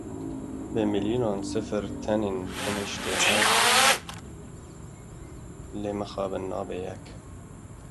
Bi milyonan sifir tên tenişta hev lê mixabin nabe yek.